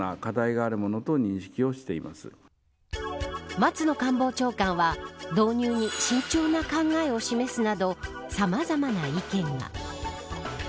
松野官房長官は導入に慎重な考えを示すなどさまざまな意見が。